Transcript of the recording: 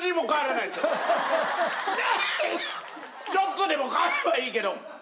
ちょっとでも変わればいいけど。